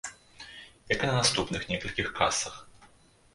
Як і на наступных некалькіх касах.